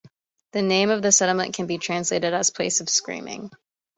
The name of the settlement can be translated as "place of screaming".